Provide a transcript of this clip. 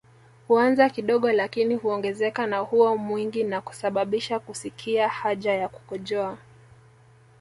Huanza kidogo lakini huongezeka na huwa mwingi na kusababisha kusikia haja ya kukojoa